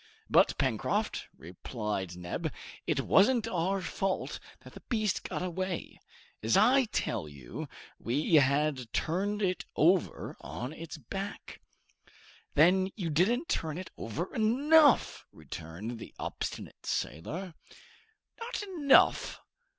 "But, Pencroft," replied Neb, "it wasn't our fault that the beast got away; as I tell you, we had turned it over on its back!" "Then you didn't turn it over enough!" returned the obstinate sailor. "Not enough!"